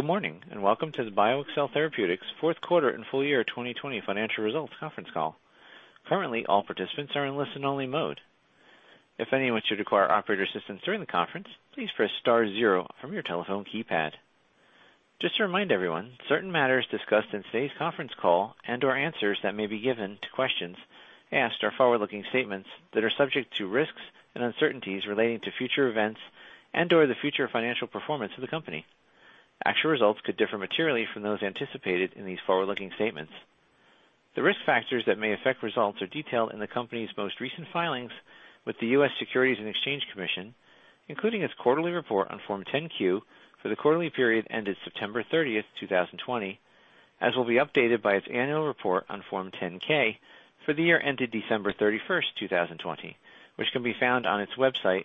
Good morning, and welcome to the BioXcel Therapeutics fourth quarter and full year 2020 financial results conference call. Currently all participants are in listen only mode. If anyone should require operator assistance during the conference please press star zero from your telephone key pad. Just to remind everyone, certain matters discussed in today's conference call and/or answers that may be given to questions asked are forward-looking statements that are subject to risks and uncertainties relating to future events and/or the future financial performance of the company. Actual results could differ materially from those anticipated in these forward-looking statements. The risk factors that may affect results are detailed in the company's most recent filings with the U.S. Securities and Exchange Commission, including its quarterly report on Form 10-Q for the quarterly period ended September 30th, 2020, as will be updated by its annual report on Form 10-K for the year ended December 31st, 2020, which can be found on its website,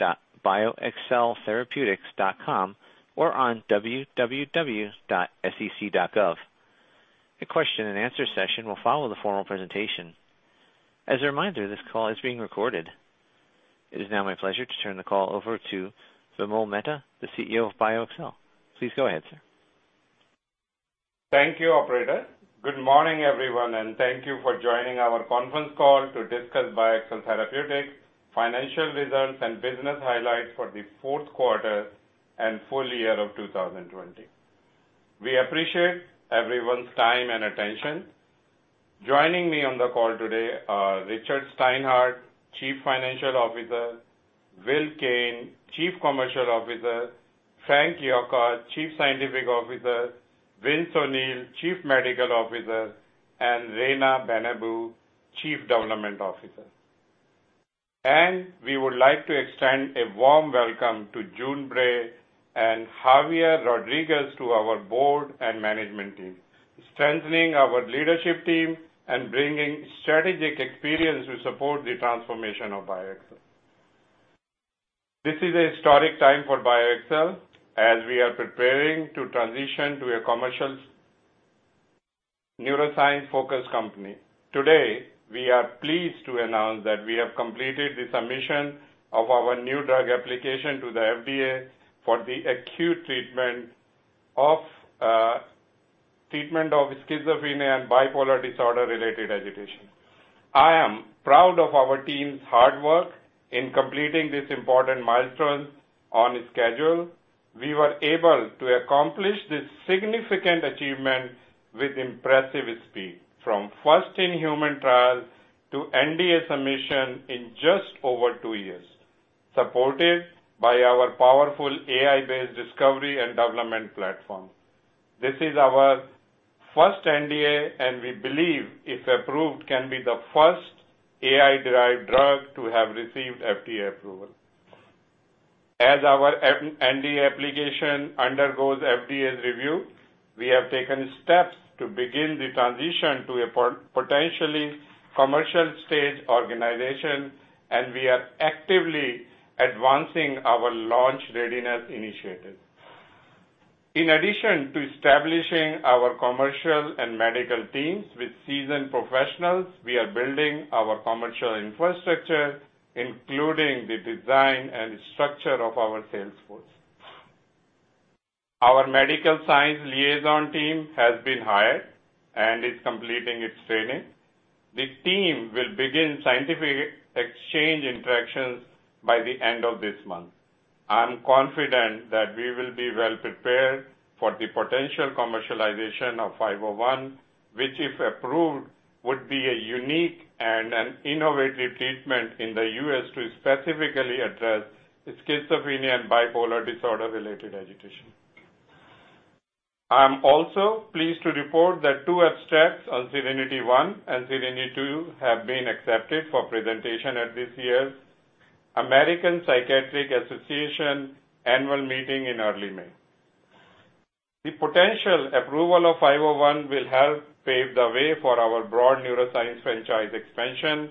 www.bioxceltherapeutics.com or on www.sec.gov. A question and answer session will follow the formal presentation. As a reminder, this call is being recorded. It is now my pleasure to turn the call over to Vimal Mehta, the CEO of BioXcel. Please go ahead, sir. Thank you, operator. Good morning, everyone, and thank you for joining our conference call to discuss BioXcel Therapeutics' financial results and business highlights for the fourth quarter and full year of 2020. We appreciate everyone's time and attention. Joining me on the call today are Richard Steinhart, Chief Financial Officer, Will Kane, Chief Commercial Officer, Frank Yocca, Chief Scientific Officer, Vince O'Neill, Chief Medical Officer, and Reina Benabou, Chief Development Officer. We would like to extend a warm welcome to June Bray and Javier Rodriguez to our board and management team, strengthening our leadership team and bringing strategic experience to support the transformation of BioXcel. This is a historic time for BioXcel as we are preparing to transition to a commercial neuroscience-focused company. Today, we are pleased to announce that we have completed the submission of our New Drug Application to the FDA for the acute treatment of schizophrenia and bipolar disorder related agitation. I am proud of our team's hard work in completing this important milestone on schedule. We were able to accomplish this significant achievement with impressive speed, from first in-human trials to NDA submission in just over two years, supported by our powerful AI-based discovery and development platform. This is our first NDA, and we believe, if approved, can be the first AI-derived drug to have received FDA approval. As our NDA application undergoes FDA's review, we have taken steps to begin the transition to a potentially commercial stage organization, and we are actively advancing our launch readiness initiative. In addition to establishing our commercial and medical teams with seasoned professionals, we are building our commercial infrastructure, including the design and structure of our sales force. Our medical science liaison team has been hired and is completing its training. The team will begin scientific exchange interactions by the end of this month. I'm confident that we will be well prepared for the potential commercialization of 501, which, if approved, would be a unique and an innovative treatment in the U.S. to specifically address schizophrenia and bipolar disorder-related agitation. I'm also pleased to report that two abstracts on SERENITY I and SERENITY II have been accepted for presentation at this year's American Psychiatric Association annual meeting in early May. The potential approval of 501 will help pave the way for our broad neuroscience franchise expansion,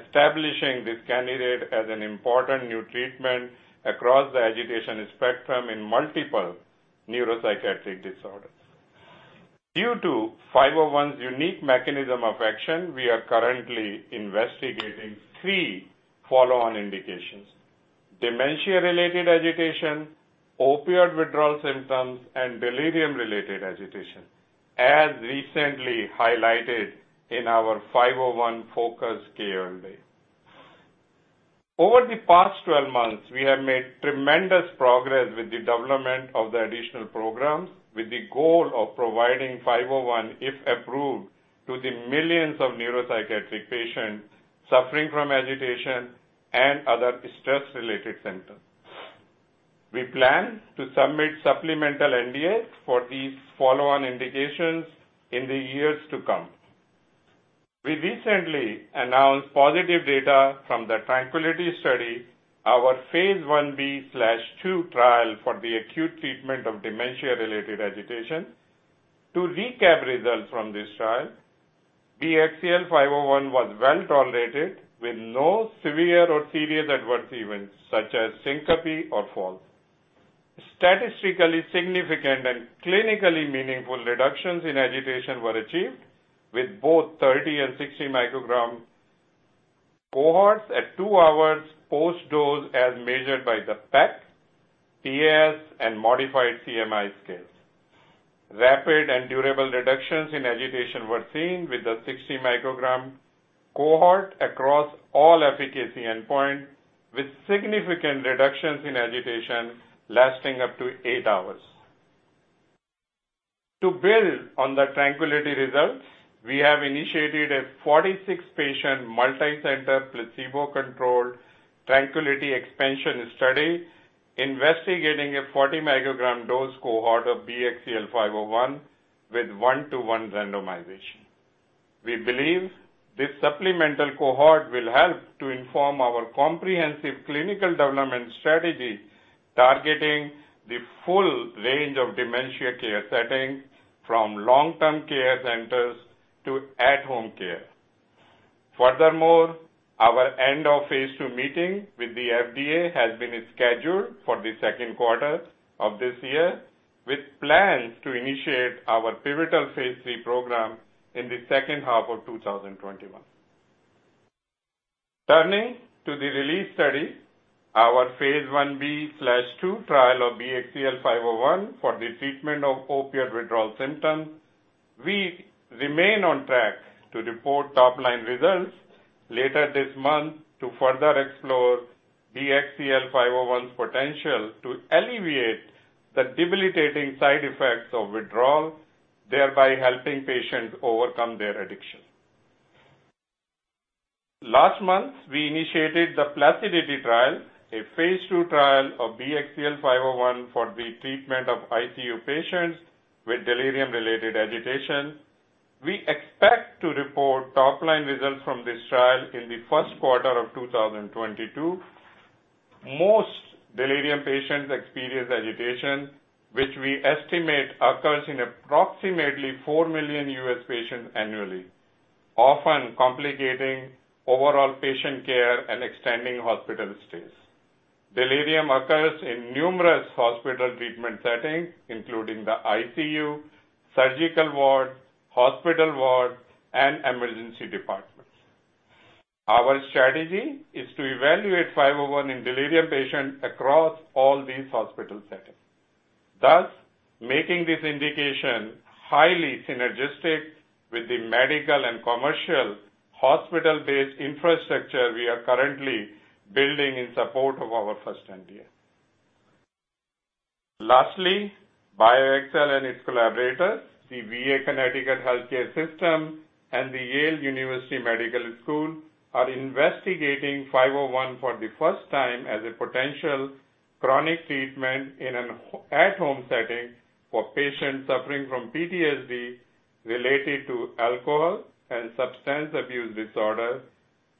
establishing this candidate as an important new treatment across the agitation spectrum in multiple neuropsychiatric disorders. Due to 501's unique mechanism of action, we are currently investigating three follow-on indications, dementia-related agitation, opioid withdrawal symptoms, and delirium-related agitation, as recently highlighted in our 501 Focus KMB. Over the past 12 months, we have made tremendous progress with the development of the additional programs with the goal of providing 501, if approved, to the millions of neuropsychiatric patients suffering from agitation and other stress-related symptoms. We plan to submit supplemental NDAs for these follow-on indications in the years to come. We recently announced positive data from the TRANQUILITY Study, our phase I-B/II trial for the acute treatment of dementia-related agitation. To recap results from this trial, BXCL501 was well-tolerated with no severe or serious adverse events such as syncope or falls. Statistically significant and clinically meaningful reductions in agitation were achieved with both 30 and 60 µg cohorts at two hours post-dose as measured by the PEC, PAS, and modified CMAI scales. Rapid and durable reductions in agitation were seen with the 60 µg cohort across all efficacy endpoints, with significant reductions in agitation lasting up to eight hours. To build on the TRANQUILITY results, we have initiated a 46-patient multi-center placebo-controlled TRANQUILITY expansion study investigating a 40-microgram dose cohort of BXCL501 with 1-1 randomization. We believe this supplemental cohort will help to inform our comprehensive clinical development strategy targeting the full range of dementia care settings from long-term care centers to at-home care. Furthermore, our end of phase II meeting with the FDA has been scheduled for the second quarter of this year, with plans to initiate our pivotal phase III program in the second half of 2021. Turning to the RELEASE study, our phase I-B/II trial of BXCL501 for the treatment of opioid withdrawal symptoms. We remain on track to report top-line results later this month to further explore BXCL501's potential to alleviate the debilitating side effects of withdrawal, thereby helping patients overcome their addiction. Last month, we initiated the PLACIDITY trial, a Phase II trial of BXCL501 for the treatment of ICU patients with delirium-related agitation. We expect to report top-line results from this trial in the first quarter of 2022. Most delirium patients experience agitation, which we estimate occurs in approximately 4 million U.S. patients annually, often complicating overall patient care and extending hospital stays. Delirium occurs in numerous hospital treatment settings, including the ICU, surgical ward, hospital ward, and emergency departments. Our strategy is to evaluate 501 in delirium patients across all these hospital settings, thus making this indication highly synergistic with the medical and commercial hospital-based infrastructure we are currently building in support of our first NDA. Lastly, BioXcel and its collaborators, the VA Connecticut Healthcare System and the Yale School of Medicine, are investigating 501 for the first time as a potential chronic treatment in an at-home setting for patients suffering from PTSD related to alcohol and substance abuse disorders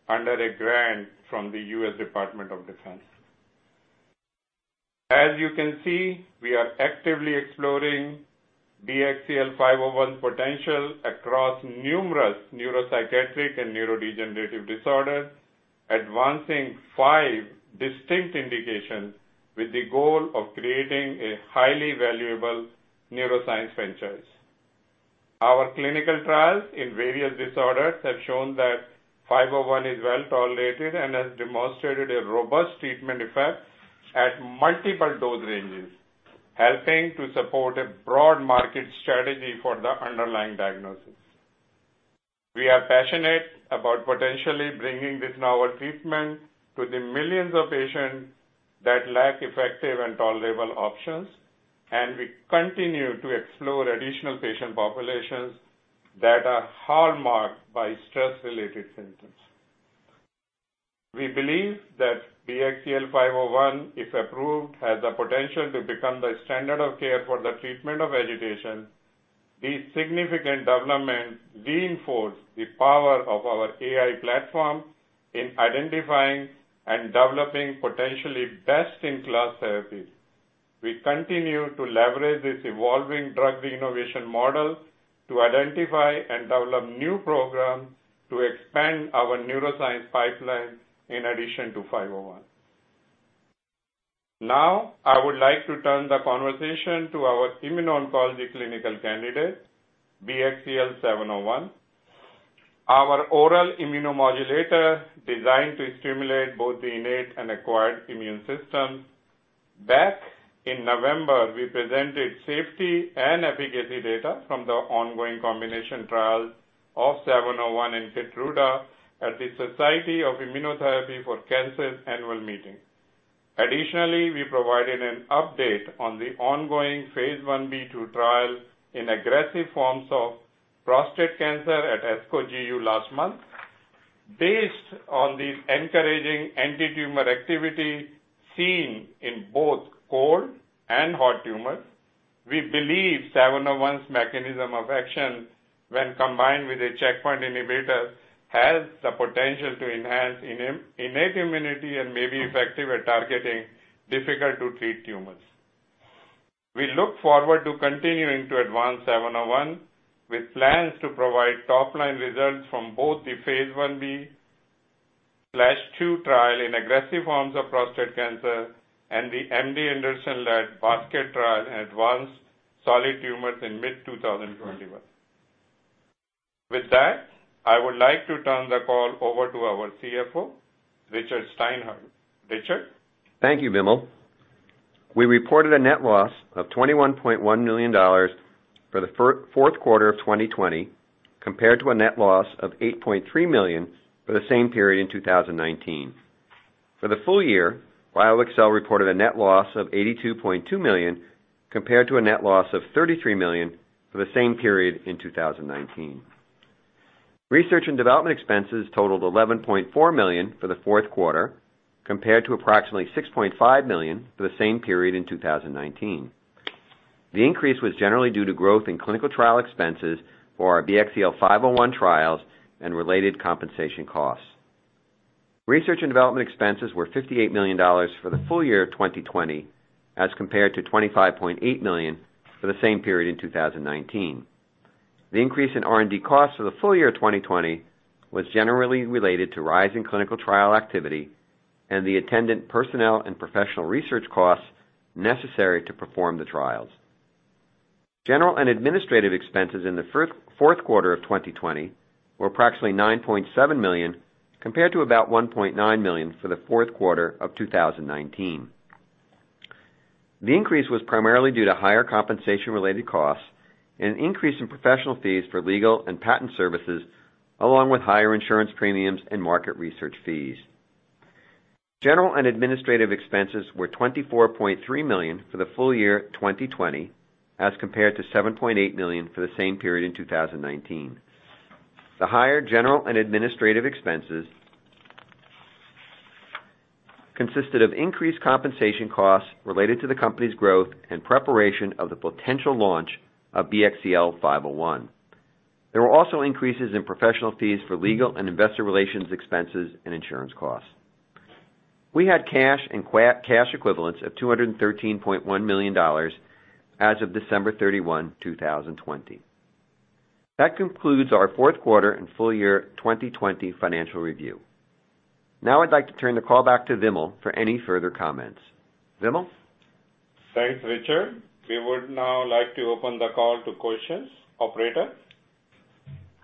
under a grant from the U.S. Department of Defense. As you can see, we are actively exploring BXCL501 potential across numerous neuropsychiatric and neurodegenerative disorders, advancing five distinct indications with the goal of creating a highly valuable neuroscience franchise. Our clinical trials in various disorders have shown that 501 is well-tolerated and has demonstrated a robust treatment effect at multiple dose ranges, helping to support a broad market strategy for the underlying diagnosis. We are passionate about potentially bringing this novel treatment to the millions of patients that lack effective and tolerable options, and we continue to explore additional patient populations that are hallmarked by stress-related symptoms. We believe that BXCL501, if approved, has the potential to become the standard of care for the treatment of agitation. These significant developments reinforce the power of our AI platform in identifying and developing potentially best-in-class therapies. We continue to leverage this evolving drug innovation model to identify and develop new programs to expand our neuroscience pipeline in addition to 501. I would like to turn the conversation to our immuno-oncology clinical candidate, BXCL701, our oral immunomodulator designed to stimulate both the innate and acquired immune system. Back in November, we presented safety and efficacy data from the ongoing combination trial of 701 and KEYTRUDA at the Society for Immunotherapy of Cancer's annual meeting. We provided an update on the ongoing phase I-B/II trial in aggressive forms of prostate cancer at ASCO GU last month. Based on these encouraging anti-tumor activity seen in both cold and hot tumors, we believe 701's mechanism of action when combined with a checkpoint inhibitor has the potential to enhance innate immunity and may be effective at targeting difficult-to-treat tumors. We look forward to continuing to advance BXCL701 with plans to provide top-line results from both the phase I-B/II trial in aggressive forms of prostate cancer and the MD Anderson Cancer Center-led Basket trial in advanced solid tumors in mid-2021. With that, I would like to turn the call over to our CFO, Richard Steinhart. Richard? Thank you, Vimal. We reported a net loss of $21.1 million for the fourth quarter of 2020, compared to a net loss of $8.3 million for the same period in 2019. For the full year, BioXcel reported a net loss of $82.2 million, compared to a net loss of $33 million for the same period in 2019. Research and development expenses totaled $11.4 million for the fourth quarter, compared to approximately $6.5 million for the same period in 2019. The increase was generally due to growth in clinical trial expenses for our BXCL501 trials and related compensation costs. Research and development expenses were $58 million for the full year of 2020, as compared to $25.8 million for the same period in 2019. The increase in R&D costs for the full year 2020 was generally related to rising clinical trial activity and the attendant personnel and professional research costs necessary to perform the trials. General and administrative expenses in the fourth quarter of 2020 were approximately $9.7 million, compared to about $1.9 million for the fourth quarter of 2019. The increase was primarily due to higher compensation-related costs and an increase in professional fees for legal and patent services, along with higher insurance premiums and market research fees. General and administrative expenses were $24.3 million for the full year 2020, as compared to $7.8 million for the same period in 2019. The higher general and administrative expenses consisted of increased compensation costs related to the company's growth and preparation of the potential launch of BXCL501. There were also increases in professional fees for legal and investor relations expenses and insurance costs. We had cash and cash equivalents of $213.1 million as of December 31, 2020. That concludes our fourth quarter and full-year 2020 financial review. Now I'd like to turn the call back to Vimal for any further comments. Vimal? Thanks, Richard. We would now like to open the call to questions. Operator?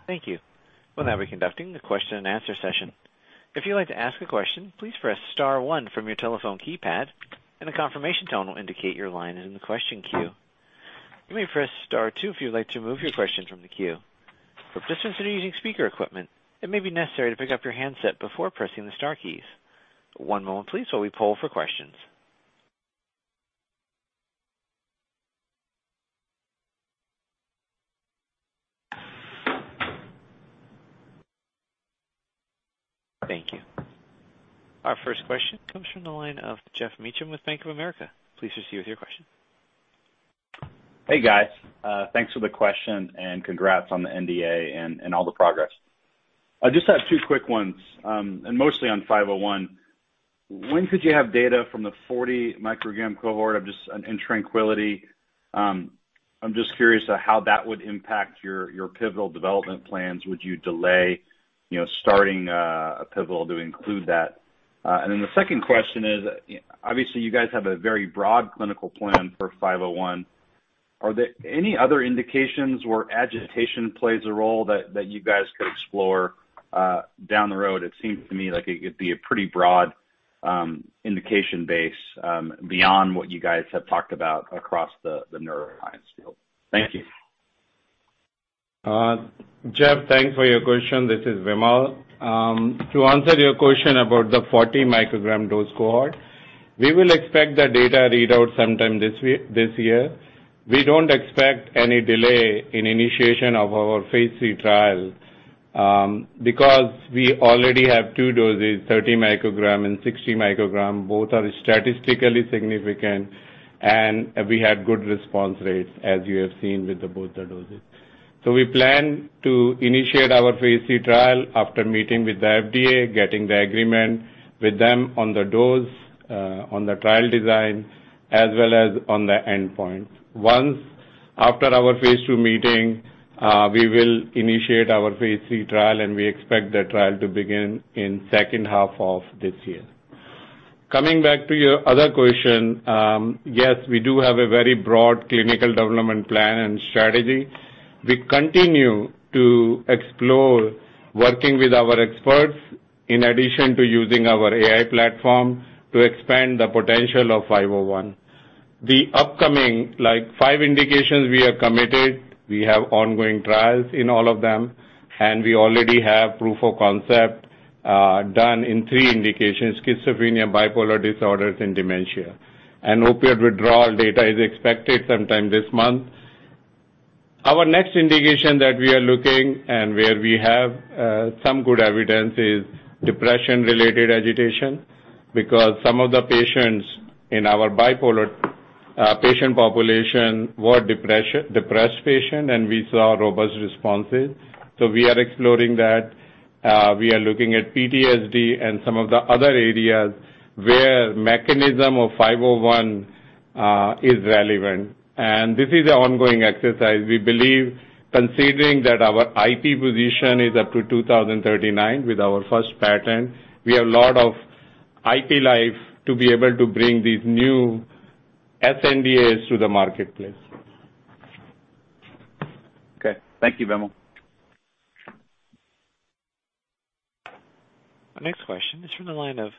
Thank you. We will now be conducting a question and answer session. If you would like to ask a question please press star one from your telephone key pad and a confirmation tone will indicate your line is in the question queue. You may press star two if you would like to remove your question from the queue. For those using speaker equipment it may be necessary to pick up your handset before pressing any keys. One moment please while we pull for questions. Thank you. Our first question comes from the line of Geoff Meacham with Bank of America. Please proceed with your question. Hey, guys. Congrats on the NDA and all the progress. I just have two quick ones. Mostly on 501. When could you have data from the 40 µg cohort of just in TRANQUILITY? I'm just curious how that would impact your pivotal development plans. Would you delay starting a pivotal to include that? The second question is, obviously, you guys have a very broad clinical plan for 501. Are there any other indications where agitation plays a role that you guys could explore down the road? It seems to me like it could be a pretty broad indication base beyond what you guys have talked about across the neuro field. Thank you. Geoff, thanks for your question. This is Vimal. To answer your question about the 40 µg dose cohort, we will expect the data readout sometime this year. We don't expect any delay in initiation of our phase III trial because we already have two doses, 30 µg and 60 µg. Both are statistically significant, we had good response rates, as you have seen with both the doses. We plan to initiate our phase III trial after meeting with the FDA, getting the agreement with them on the dose, on the trial design, as well as on the endpoint. Once after our phase II meeting, we will initiate our phase III trial, and we expect the trial to begin in the second half of this year. Coming back to your other question, yes, we do have a very broad clinical development plan and strategy. We continue to explore working with our experts in addition to using our AI platform to expand the potential of BXCL501. The upcoming five indications we are committed, we have ongoing trials in all of them, and we already have proof of concept done in three indications, schizophrenia, bipolar disorders, and dementia. Opioid withdrawal data is expected sometime this month. Our next indication that we are looking and where we have some good evidence is depression-related agitation because some of the patients in our bipolar patient population were depressed patients, and we saw robust responses. We are exploring that. We are looking at PTSD and some of the other areas where mechanism of BXCL501 is relevant. This is an ongoing exercise. We believe considering that our IP position is up to 2,039 with our first patent, we have a lot of IP life to be able to bring these new sNDAs to the marketplace. Okay. Thank you, Vimal. Our next question is from the line of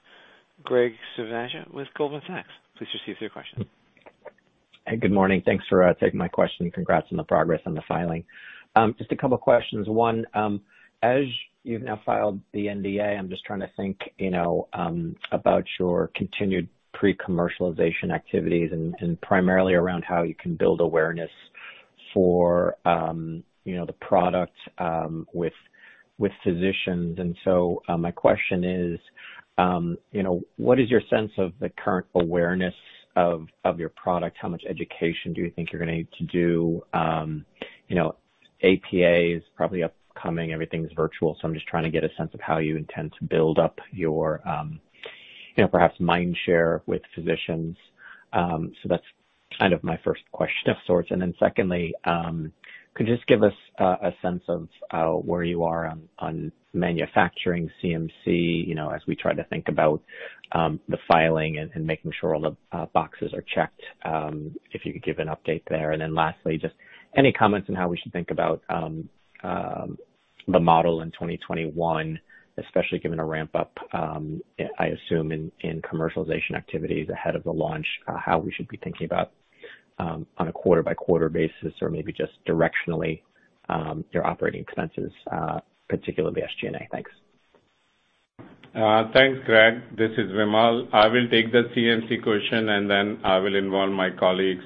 Graig Suvannavejh with Goldman Sachs. Please proceed with your question. Hey. Good morning. Thanks for taking my question. Congrats on the progress on the filing. Just a couple questions. One, as you've now filed the NDA, I'm just trying to think about your continued pre-commercialization activities and primarily around how you can build awareness for the product with physicians. My question is, what is your sense of the current awareness of your product? How much education do you think you're going to need to do? APA is probably upcoming. Everything's virtual, I'm just trying to get a sense of how you intend to build up your perhaps mind share with physicians. That's my first question of sorts. Secondly, could you just give us a sense of where you are on manufacturing CMC as we try to think about the filing and making sure all the boxes are checked, if you could give an update there. Lastly, just any comments on how we should think about the model in 2021, especially given a ramp-up, I assume, in commercialization activities ahead of the launch, how we should be thinking about on a quarter by quarter basis or maybe just directionally, your operating expenses, particularly SG&A. Thanks. Thanks, Graig. This is Vimal. I will take the CMC question, and then I will involve my colleagues,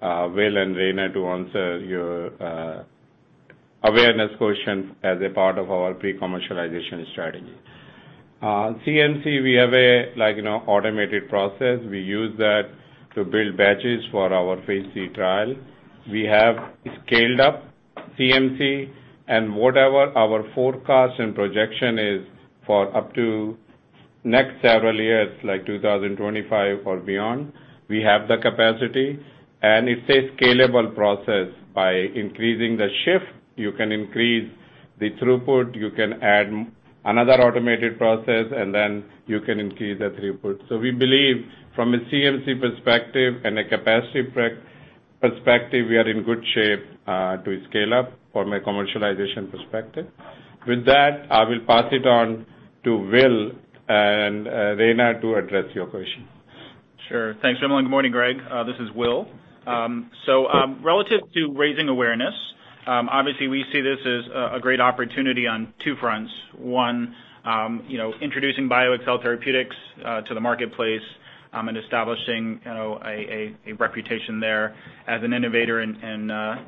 Will and Reina, to answer your awareness question as a part of our pre-commercialization strategy. On CMC, we have a automated process. We use that to build batches for our phase III trial. We have scaled up CMC and whatever our forecast and projection is for up to next several years, like 2025 or beyond, we have the capacity, and it's a scalable process. By increasing the shift, you can increase the throughput. You can add another automated process, and then you can increase the throughput. We believe from a CMC perspective and a capacity perspective, we are in good shape to scale up from a commercialization perspective. With that, I will pass it on to Will and Reina to address your question. Sure. Thanks, Vimal. Good morning, Graig. This is Will. Relative to raising awareness, obviously we see this as a great opportunity on two fronts. One, introducing BioXcel Therapeutics to the marketplace and establishing a reputation there as an innovator in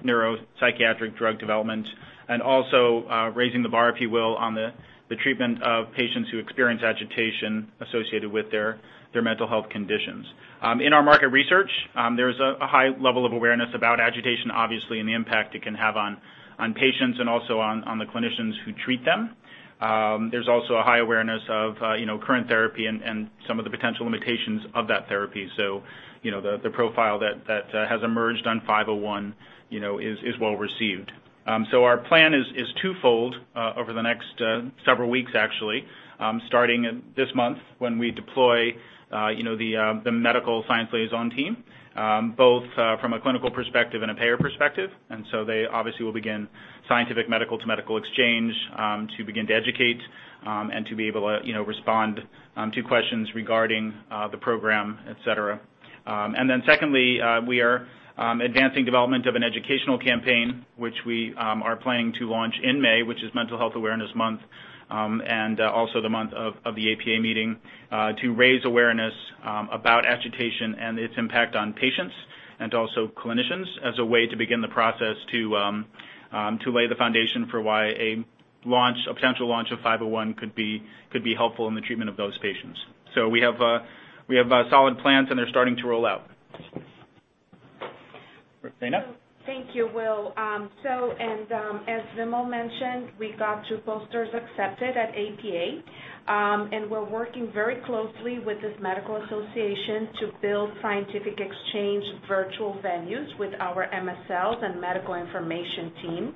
neuropsychiatric drug development and also raising the bar, if you will, on the treatment of patients who experience agitation associated with their mental health conditions. In our market research, there's a high level of awareness about agitation, obviously, and the impact it can have on patients and also on the clinicians who treat them. There's also a high awareness of current therapy and some of the potential limitations of that therapy. The profile that has emerged on BXCL501 is well received. Our plan is twofold, over the next several weeks, actually, starting this month when we deploy the medical science liaison team, both from a clinical perspective and a payer perspective. They obviously will begin scientific medical to medical exchange to begin to educate and to be able to respond to questions regarding the program, et cetera. Secondly, we are advancing development of an educational campaign, which we are planning to launch in May, which is Mental Health Awareness Month, and also the month of the APA meeting, to raise awareness about agitation and its impact on patients and also clinicians as a way to begin the process to lay the foundation for why a potential launch of 501 could be helpful in the treatment of those patients. We have solid plans, and they're starting to roll out. Reina? Thank you, Will. As Vimal mentioned, we got two posters accepted at APA. We're working very closely with this medical association to build scientific exchange virtual venues with our MSLs and medical information team.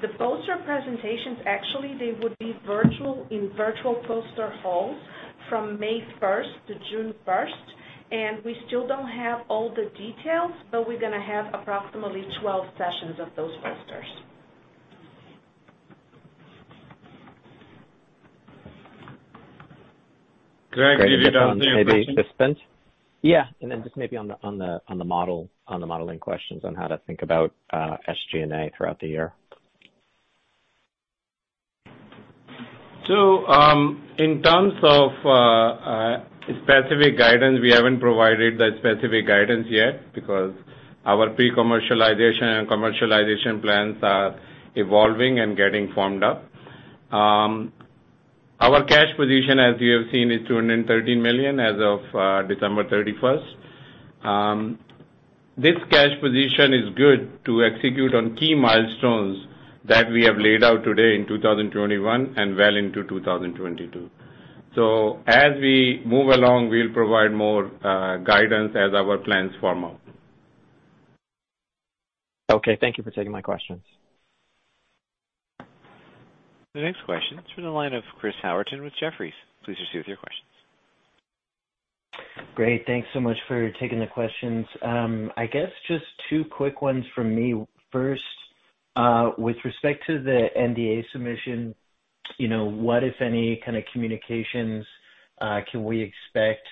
The poster presentations, actually, they would be in virtual poster halls from May 1st to June 1st, and we still don't have all the details, but we're going to have approximately 12 sessions of those posters. Graig, did you have any other question? Yeah. Then just maybe on the modeling questions on how to think about SG&A throughout the year. In terms of specific guidance, we haven't provided that specific guidance yet because our pre-commercialization and commercialization plans are evolving and getting formed up. Our cash position, as you have seen, is $230 million as of December 31st. This cash position is good to execute on key milestones that we have laid out today in 2021 and well into 2022. As we move along, we'll provide more guidance as our plans form up. Okay. Thank you for taking my questions. The next question is from the line of Chris Howerton with Jefferies. Please proceed with your question. Great. Thanks so much for taking the questions. I guess just two quick ones from me. First, with respect to the NDA submission, what if any, kind of, communications can we expect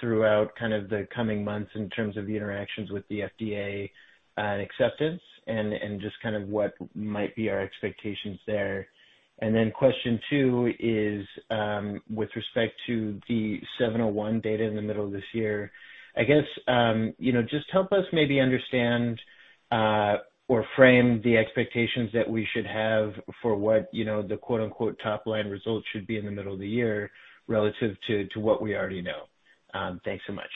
throughout the coming months in terms of the interactions with the FDA and acceptance and just what might be our expectations there? Question two is, with respect to the 701 data in the middle of this year, I guess, just help us maybe understand or frame the expectations that we should have for what the "top line results" should be in the middle of the year relative to what we already know. Thanks so much.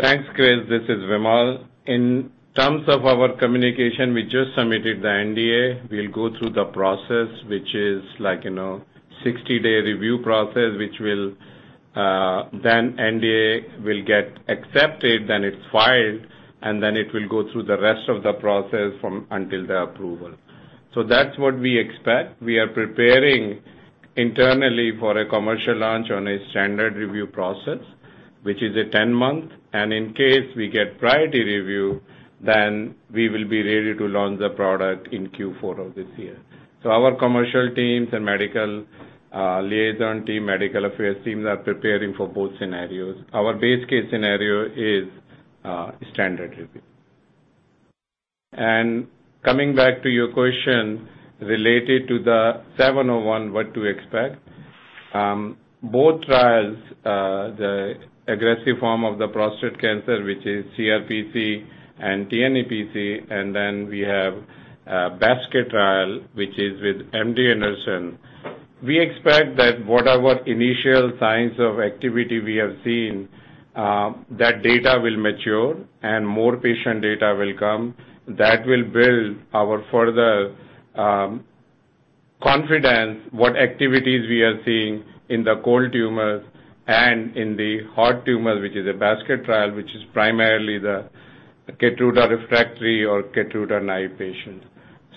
Thanks, Chris. This is Vimal. In terms of our communication, we just submitted the NDA. We'll go through the process, which is like a 60-day review process. NDA will get accepted, then it's filed, and then it will go through the rest of the process until the approval. That's what we expect. We are preparing internally for a commercial launch on a standard review process, which is a 10-month, and in case we get priority review, then we will be ready to launch the product in Q4 of this year. Our commercial teams and medical liaison team, medical affairs teams are preparing for both scenarios. Our base case scenario is standard review. Coming back to your question related to the 701, what to expect. Both trials, the aggressive form of the prostate cancer, which is CRPC and NEPC, and then we have basket trial, which is with MD Anderson. We expect that what our initial signs of activity we have seen, that data will mature and more patient data will come. That will build our further confidence, what activities we are seeing in the cold tumors and in the hot tumors, which is a basket trial, which is primarily the KEYTRUDA refractory or KEYTRUDA-naive patient.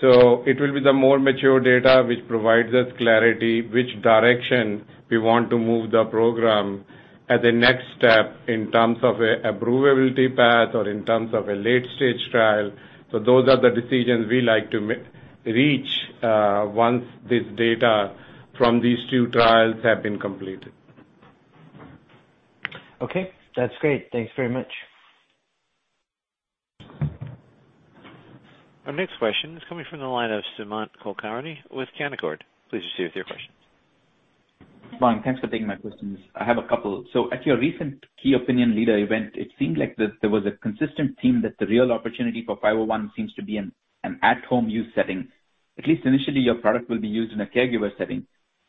It will be the more mature data which provides us clarity, which direction we want to move the program as a next step in terms of approvability path or in terms of a late-stage trial. Those are the decisions we like to reach once this data from these two trials have been completed. Okay. That's great. Thanks very much. Our next question is coming from the line of Sumant Kulkarni with Canaccord. Please proceed with your question. Sumant. Thanks for taking my questions. I have a couple. At your recent key opinion leader event, it seemed like there was a consistent theme that the real opportunity for BXCL501 seems to be in an at-home use setting. At least initially, your product will be used in a caregiver setting.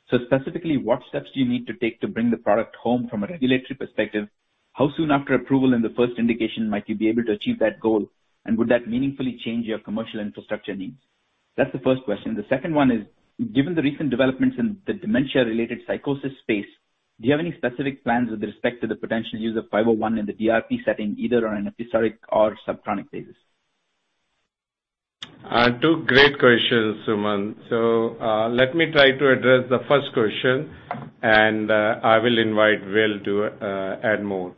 Specifically, what steps do you need to take to bring the product home from a regulatory perspective? How soon after approval in the first indication might you be able to achieve that goal? Would that meaningfully change your commercial infrastructure needs? That's the first question. The second one is, given the recent developments in the dementia-related psychosis space, do you have any specific plans with respect to the potential use of BXCL501 in the DRP setting, either on an episodic or subchronic basis? Two great questions, Sumant. Let me try to address the first question, and I will invite Will to add more.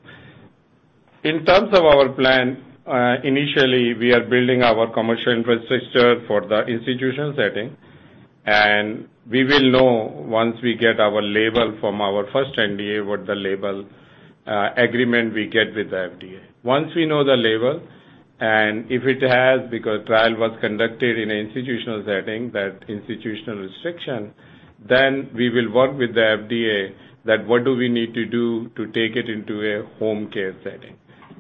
In terms of our plan, initially we are building our commercial infrastructure for the institution setting, and we will know once we get our label from our first NDA, what the label agreement we get with the FDA. Once we know the label, and if it has, because trial was conducted in an institutional setting, that institutional restriction, then we will work with the FDA that what do we need to do to take it into a home care setting.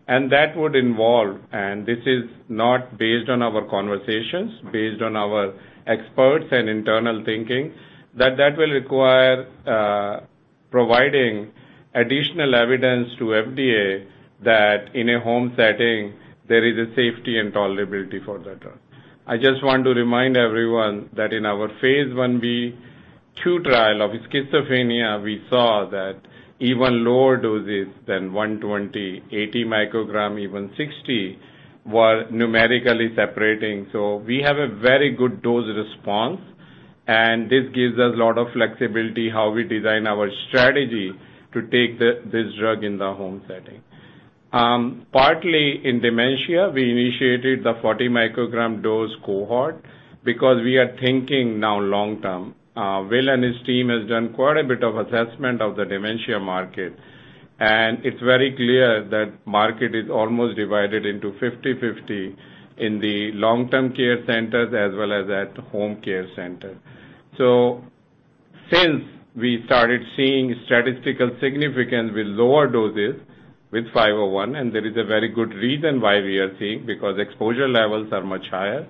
That would involve, and this is not based on our conversations, based on our experts and internal thinking, that that will require providing additional evidence to FDA that in a home setting there is a safety and tolerability for the drug. I just want to remind everyone that in our phase I-B/II trial of schizophrenia, we saw that even lower doses than 120µg-80 µg, even 60µg, were numerically separating. We have a very good dose response, and this gives us a lot of flexibility how we design our strategy to take this drug in the home setting. Partly in dementia, we initiated the 40 µg dose cohort because we are thinking now long-term. Will and his team has done quite a bit of assessment of the dementia market, and it's very clear that market is almost divided into 50/50 in the long-term care centers as well as at home care centers. Since we started seeing statistical significance with lower doses with 501, and there is a very good reason why we are seeing, because exposure levels are much higher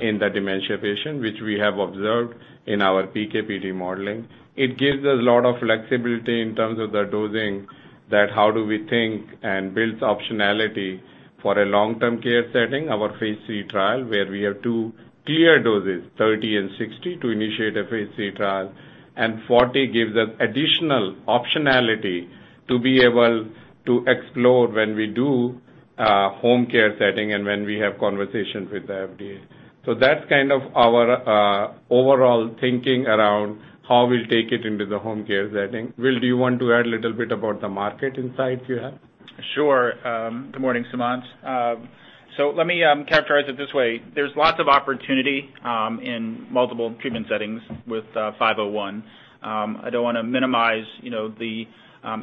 in the dementia patient, which we have observed in our PK/PD modeling. It gives us a lot of flexibility in terms of the dosing that how do we think and build optionality for a long-term care setting. Our phase III trial, where we have two clear doses, 30 and 60, to initiate a phase III trial, and 40 gives us additional optionality to be able to explore when we do home care setting and when we have conversations with the FDA. That's kind of our overall thinking around how we'll take it into the home care setting. Will, do you want to add a little bit about the market insight you have? Sure. Good morning, Sumant. Let me characterize it this way. There's lots of opportunity in multiple treatment settings with 501. I don't want to minimize the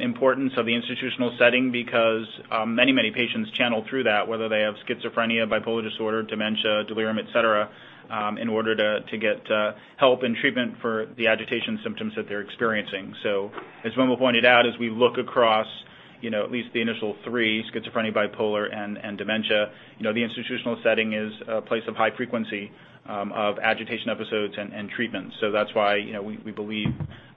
importance of the institutional setting because many patients channel through that, whether they have schizophrenia, bipolar disorder, dementia, delirium, et cetera, in order to get help and treatment for the agitation symptoms that they're experiencing. As Vimal pointed out, as we look across at least the initial three, schizophrenia, bipolar, and dementia, the institutional setting is a place of high frequency of agitation episodes and treatments. That's why we believe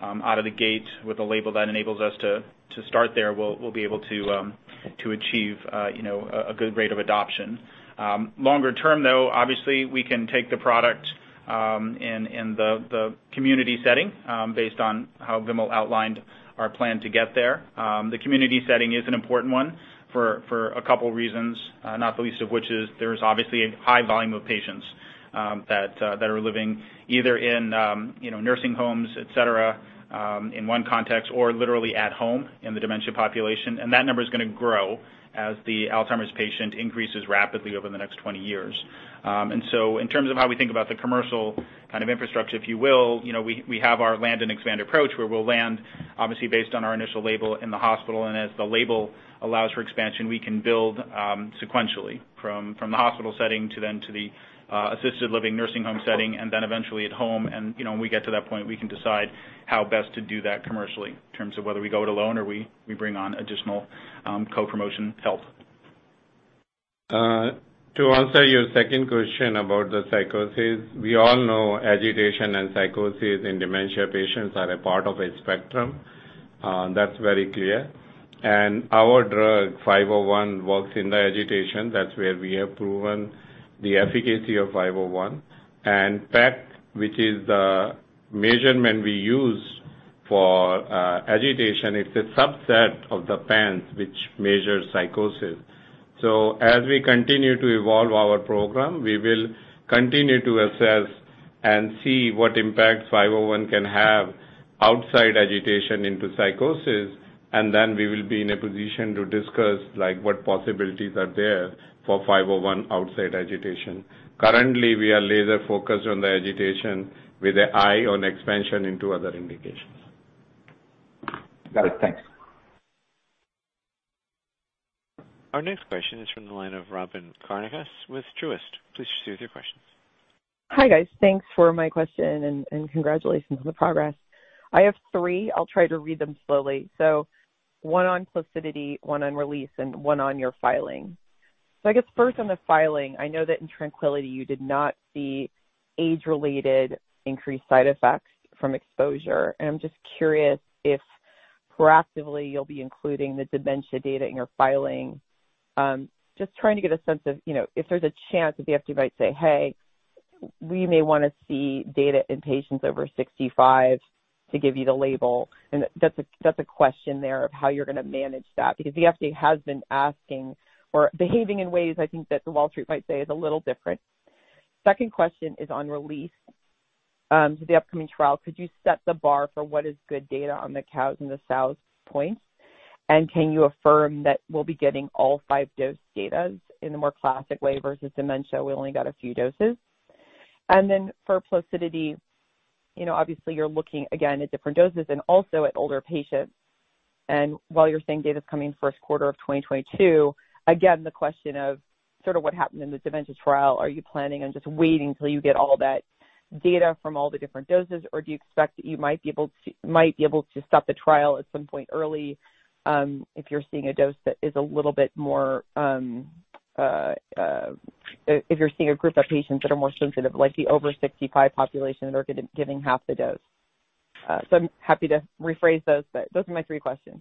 out of the gate with a label that enables us to start there, we'll be able to achieve a good rate of adoption. Longer term, though, obviously, we can take the product in the community setting, based on how Vimal outlined our plan to get there. The community setting is an important one for a couple reasons, not the least of which is there is obviously a high volume of patients that are living either in nursing homes, et cetera, in one context, or literally at home in the dementia population. That number is going to grow as the Alzheimer's patient increases rapidly over the next 20 years. In terms of how we think about the commercial kind of infrastructure, if you will, we have our land and expand approach, where we'll land obviously based on our initial label in the hospital. As the label allows for expansion, we can build sequentially from the hospital setting to then to the assisted living nursing home setting, and then eventually at home. When we get to that point, we can decide how best to do that commercially in terms of whether we go it alone or we bring on additional co-promotion help. To answer your second question about the psychosis, we all know agitation and psychosis in dementia patients are a part of a spectrum. That's very clear. Our drug, BXCL501, works in the agitation. That's where we have proven the efficacy of BXCL501. PEC, which is the measurement we use for agitation, is a subset of the PANSS, which measures psychosis. As we continue to evolve our program, we will continue to assess and see what impact BXCL501 can have outside agitation into psychosis, then we will be in a position to discuss what possibilities are there for BXCL501 outside agitation. Currently, we are laser focused on the agitation with an eye on expansion into other indications. Got it. Thanks. Our next question is from the line of Robyn Karnauskas with Truist. Please proceed with your questions. Hi, guys. Thanks for my question, and congratulations on the progress. I have three. I'll try to read them slowly. One on PLACIDITY, one on RELEASE, and one on your filing. I guess first on the filing, I know that in TRANQUILITY, you did not see age-related increased side effects from exposure, and I'm just curious if proactively you'll be including the dementia data in your filing. Just trying to get a sense of if there's a chance that the FDA might say, "Hey, we may want to see data in patients over 65 to give you the label." That's a question there of how you're going to manage that, because the FDA has been asking or behaving in ways I think that Wall Street might say is a little different. Second question is on RELEASE. The upcoming trial, could you set the bar for what is good data on the COWS and the SOWS points? And can you affirm that we'll be getting all five dose datas in the more classic way versus dementia, we only got a few doses. And then for PLACIDITY, obviously you're looking again at different doses and also at older patients. And while you're saying data is coming first quarter of 2022, again, the question of sort of what happened in the dementia trial. Are you planning on just waiting till you get all that data from all the different doses? Or do you expect that you might be able to stop the trial at some point early if you're seeing a group of patients that are more sensitive, like the over 65 population that are getting half the dose? I'm happy to rephrase those, but those are my three questions.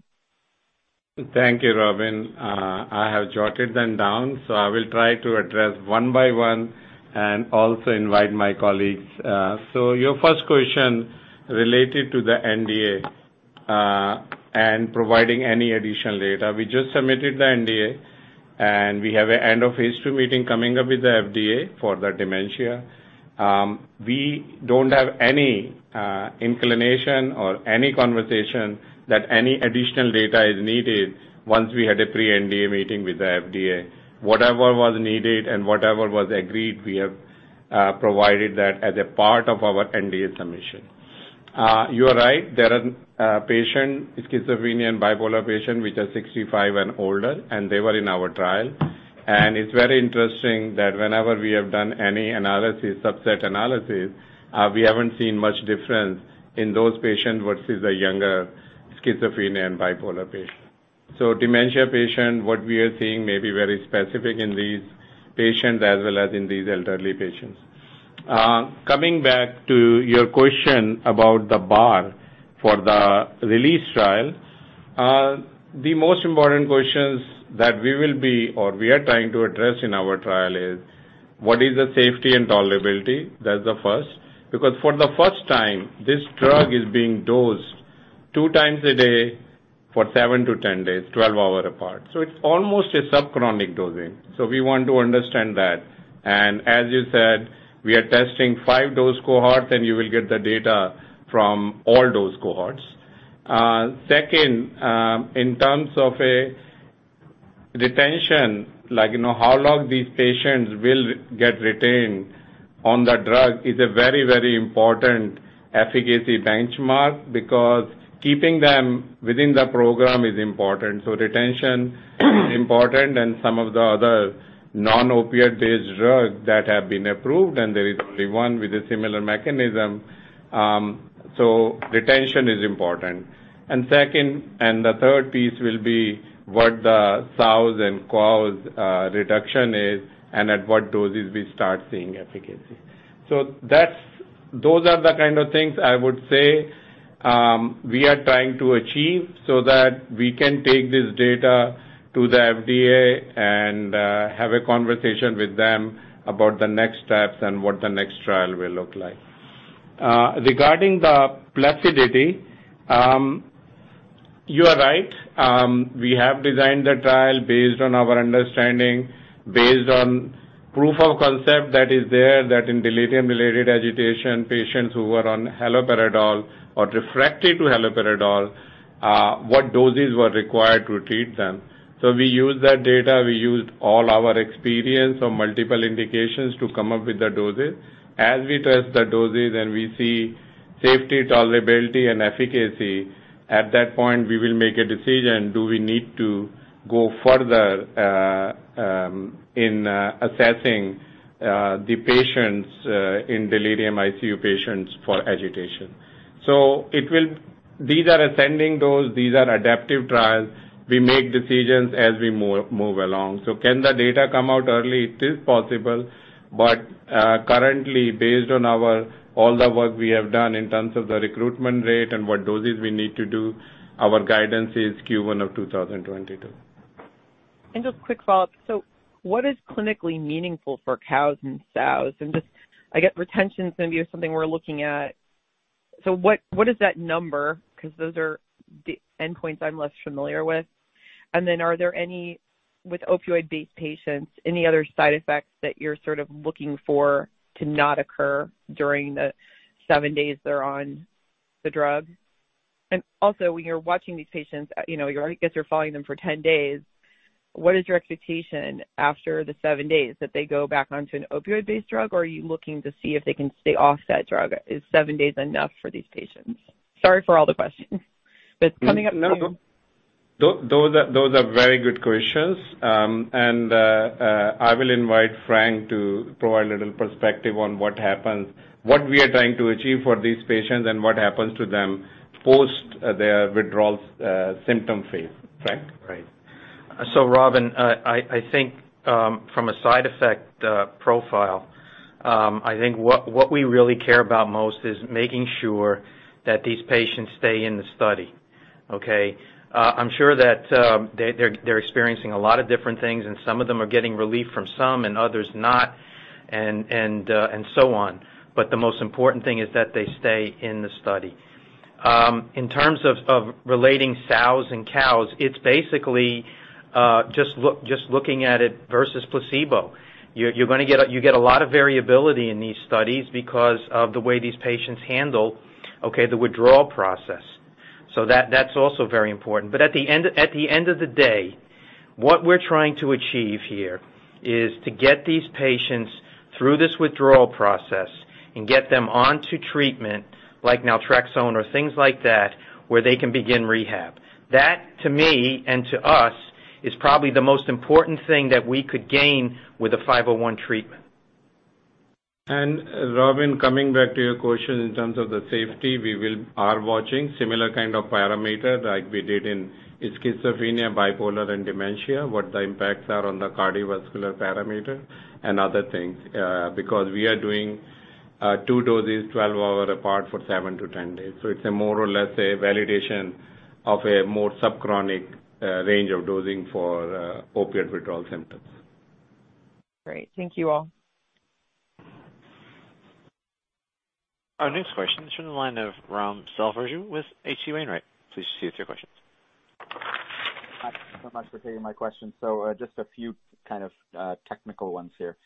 Thank you, Robyn. I have jotted them down. I will try to address one by one and also invite my colleagues. Your first question related to the NDA and providing any additional data. We just submitted the NDA, and we have an end of phase II meeting coming up with the FDA for the dementia. We don't have any inclination or any conversation that any additional data is needed once we had a pre-NDA meeting with the FDA. Whatever was needed and whatever was agreed, we have provided that as a part of our NDA submission. You are right, there are patient, schizophrenia and bipolar patient, which are 65 and older, and they were in our trial. It's very interesting that whenever we have done any analysis, subset analysis, we haven't seen much difference in those patients versus the younger schizophrenia and bipolar patients. Dementia patients, what we are seeing may be very specific in these patients as well as in these elderly patients. Coming back to your question about the bar for the RELEASE trial. The most important questions that we will be or we are trying to address in our trial are what are the safety and tolerability? That's the first. For the first time, this drug is being dosed 2x a day for 7-`10 days, 12 hours apart. It's almost a subchronic dosing. We want to understand that. As you said, we are testing five dose cohorts, and you will get the data from all dose cohorts. Second, in terms of a retention, how long these patients will get retained on the drug is a very important efficacy benchmark because keeping them within the program is important. Retention is important and some of the other non-opioid-based drugs that have been approved and there is only one with a similar mechanism. Retention is important. The third piece will be what the SOWS and COWS reduction is and at what doses we start seeing efficacy. Those are the kind of things I would say we are trying to achieve so that we can take this data to the FDA and have a conversation with them about the next steps and what the next trial will look like. Regarding the PLACIDITY, you are right. We have designed the trial based on our understanding, based on proof of concept that is there, that in delirium related agitation, patients who were on haloperidol or refractory to haloperidol, what doses were required to treat them. We used that data, we used all our experience of multiple indications to come up with the doses. As we test the doses and we see safety, tolerability, and efficacy, at that point we will make a decision, do we need to go further in assessing the patients in delirium ICU patients for agitation. These are ascending dose, these are adaptive trials. We make decisions as we move along. Can the data come out early? It is possible, but currently based on all the work we have done in terms of the recruitment rate and what doses we need to do, our guidance is Q1 of 2022. Just quick follow-up. What is clinically meaningful for COWS and SOWS? Just, I get retention is going to be something we're looking at. What is that number? Because those are the endpoints I'm less familiar with. Then are there any, with opioid-based patients, any other side effects that you're sort of looking for to not occur during the seven days they're on the drug? Also when you're watching these patients, I guess you're following them for 10 days. What is your expectation after the seven days? That they go back onto an opioid-based drug or are you looking to see if they can stay off that drug? Is seven days enough for these patients? Sorry for all the questions. No. Those are very good questions. I will invite Frank to provide a little perspective on what happens, what we are trying to achieve for these patients and what happens to them post their withdrawal symptom phase. Frank? Right. Robyn, I think from a side effect profile, I think what we really care about most is making sure that these patients stay in the study. Okay. I'm sure that they're experiencing a lot of different things and some of them are getting relief from some and others not and so on. The most important thing is that they stay in the study. In terms of relating SOWS and COWS, it's basically just looking at it versus placebo. You get a lot of variability in these studies because of the way these patients handle the withdrawal process. That's also very important. At the end of the day, what we're trying to achieve here is to get these patients through this withdrawal process and get them onto treatment like naltrexone or things like that where they can begin rehab. That to me and to us is probably the most important thing that we could gain with a 501 treatment. Robyn, coming back to your question in terms of the safety, we are watching similar kind of parameter like we did in schizophrenia, bipolar and dementia, what the impacts are on the cardiovascular parameter and other things. We are doing two doses 12-hour apart for 7-10 days. It's a more or less a validation of a more subchronic range of dosing for opioid withdrawal symptoms. Great. Thank you all. Our next question is from the line of Ram Selvaraju with H.C. Wainwright. Please proceed with your question. Thanks so much for taking my question. Just a few kind of technical ones here.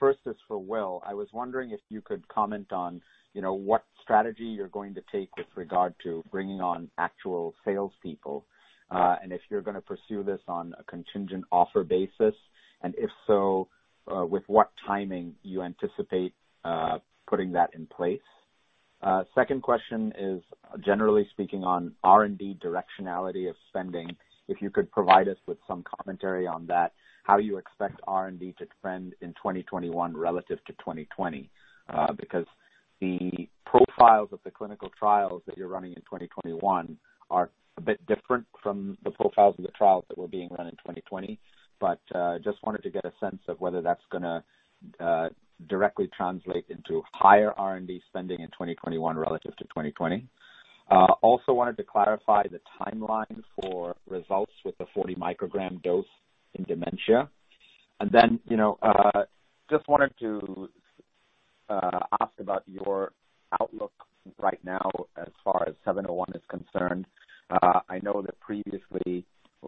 First is for Will. I was wondering if you could comment on what strategy you're going to take with regard to bringing on actual salespeople. If you're going to pursue this on a contingent offer basis, and if so, with what timing you anticipate putting that in place. Second question is generally speaking on R&D directionality of spending, if you could provide us with some commentary on that, how you expect R&D to trend in 2021 relative to 2020. The profiles of the clinical trials that you're running in 2021 are a bit different from the profiles of the trials that were being run in 2020. Just wanted to get a sense of whether that's going to directly translate into higher R&D spending in 2021 relative to 2020. Also wanted to clarify the timeline for results with the 40 µg dose in dementia. Just wanted to ask about your outlook right now as far as BXCL701 is concerned. I know that previously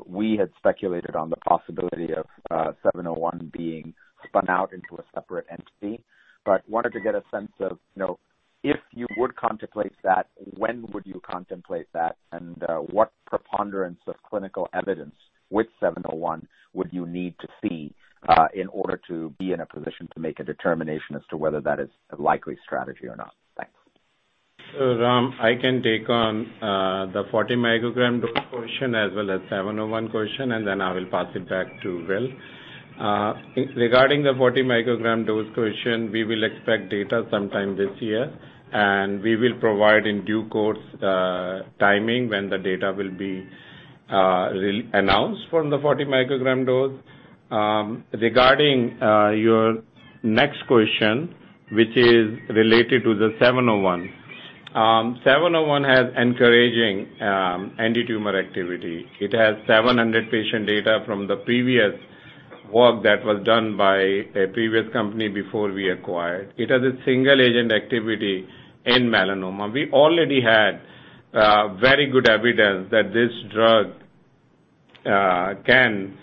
we had speculated on the possibility of BXCL701 being spun out into a separate entity, but wanted to get a sense of, if you would contemplate that, when would you contemplate that, and what preponderance of clinical evidence with BXCL701 would you need to see in order to be in a position to make a determination as to whether that is a likely strategy or not? Thanks. Ram, I can take on the 40 µg dose question as well as 701 question, and then I will pass it back to Will. Regarding the 40 µg dose question, we will expect data sometime this year, and we will provide in due course, timing when the data will be announced from the 40 µg dose. Regarding your next question, which is related to the 701. 701 has encouraging anti-tumor activity. It has 700 patient data from the previous work that was done by a previous company before we acquired. It has a single agent activity in melanoma. We already had very good evidence that this drug can